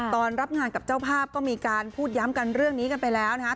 ตอนรับงานกับเจ้าภาพก็มีการพูดย้ำกันเรื่องนี้กันไปแล้วนะครับ